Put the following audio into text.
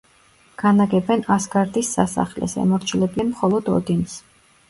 განაგებენ ასგარდის სასახლეს, ემორჩილებიან მხოლოდ ოდინს.